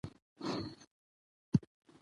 زه هره ورځ هڅه کوم خپل کار په ښه ډول ترسره کړم